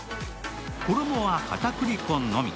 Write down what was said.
衣は片栗粉のみ。